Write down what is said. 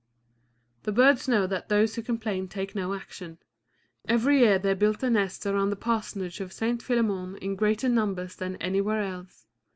The birds know that those who complain take no action. Every year they built their nests around the parsonage of St. Philémon in greater numbers than anywhere else.